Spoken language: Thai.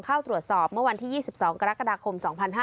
เข้าตรวจสอบเมื่อวันที่๒๒กรกฎาคม๒๕๕๙